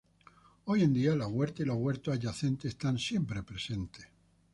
Hoy en día, las huertas y los huertos adyacentes están siempre presentes.